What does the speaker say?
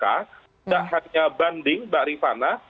tidak hanya banding mbak rifana